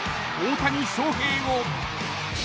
大谷翔平を］